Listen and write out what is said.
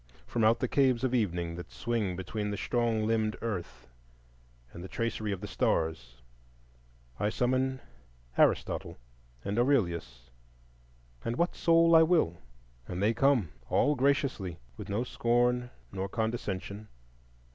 From out the caves of evening that swing between the strong limbed earth and the tracery of the stars, I summon Aristotle and Aurelius and what soul I will, and they come all graciously with no scorn nor condescension.